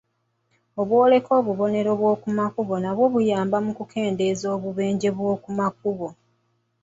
Obwoleko n'obubonero bw'okumakubo nabwo buyamba mu kukendeeza obubenje bw'okumakubo.